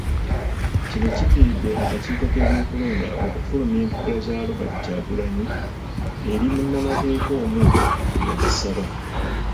Kino kiddiridde akakiiko k’ebyokulonda okufulumya empapula za Robert Kyagulanyi eri munnamateeka omu eyazisaba.